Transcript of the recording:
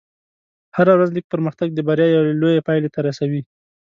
هره ورځ لږ پرمختګ د بریا یوې لوېې پایلې ته رسوي.